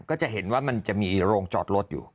ก็จะเห็นว่ามันจะมีโรงจอดรถอยู่